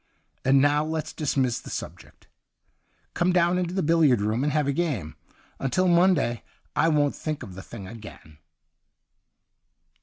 And now let's dismiss the subject. Come down into the billiard room and have a game. Until Monday I won't think of the thing again.'